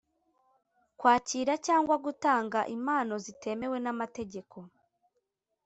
kwakira cyangwa gutanga impano zitemewe n’amategeko